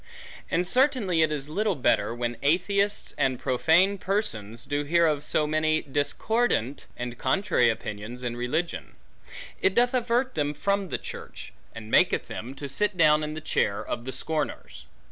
And certainly it is little better, when atheists, and profane persons, do hear of so many discordant, and contrary opinions in religion; it doth avert them from the church, and maketh them, to sit down in the chair of the scorners.